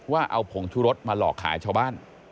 ว่าเอาผงชุรสมาหลอกขายชาวบ้าน